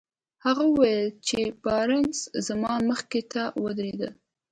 هغه وويل چې بارنس زما مخې ته ودرېد.